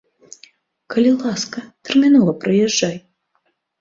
Калі ласка, тэрмінова прыязджай.